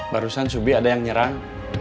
barusan subi ada yang nyerang